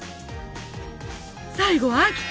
最後は秋田。